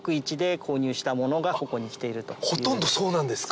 ほとんどそうなんですか。